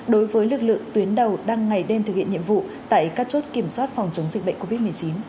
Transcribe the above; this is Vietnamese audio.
đối với lực lượng tuyến đầu đang ngày đêm thực hiện nhiệm vụ tại các chốt kiểm soát phòng chống dịch bệnh covid một mươi chín